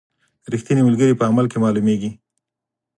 رښتینی ملګری په عمل کې معلومیږي.